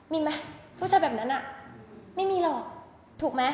มีไหมผู้ชายแบบนั้นไม่มีหรอกถูกไหม